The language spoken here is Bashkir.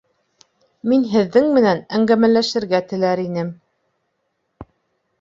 Мин һеҙҙең менән әңгәмәләшергә теләр инем!